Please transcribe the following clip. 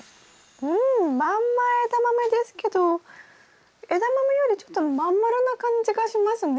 うんまんまエダマメですけどエダマメよりちょっと真ん丸な感じがしますね。